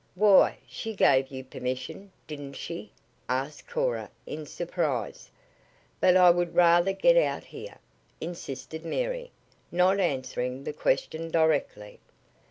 "Why, she gave you permission, didn't she?" asked Cora in surprise. "But I would rather get out here," insisted Mary, not answering the question directly.